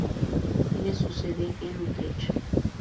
Tiene su sede en Utrecht.